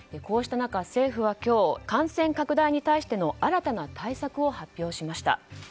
こうした中、政府は今日感染拡大に対しての新たな対策を発表しました。